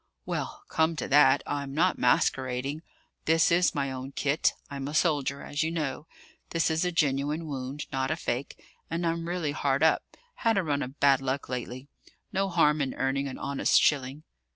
"Well, come to that, I'm not masquerading. This is my own kit; I'm a soldier, as you know. This is a genuine wound, not a fake; and I'm really hard up: had a run of bad luck lately. No harm in earning an honest shilling."